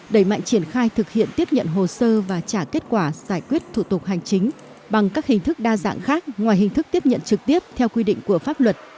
đẩy mạnh triển khai thực hiện tiếp nhận hồ sơ và trả kết quả giải quyết thủ tục hành chính bằng các hình thức đa dạng khác ngoài hình thức tiếp nhận trực tiếp theo quy định của pháp luật